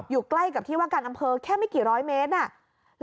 อยู่ใกล้กับที่ว่าการอำเภอแค่ไม่กี่ร้อยเมตร